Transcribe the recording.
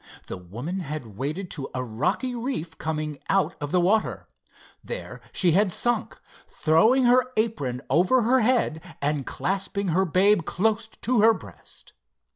The woman had waded to a rocky reef coming up out of the water. There she had sunk, throwing her apron over her head and clasping her babe close to her breast.